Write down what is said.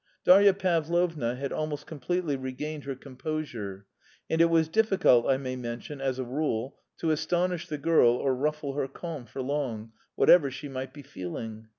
Darya Pavlovna had almost completely regained her composure. And it was difficult, I may mention, as a rule, to astonish the girl or ruffle her calm for long whatever she might be feeling.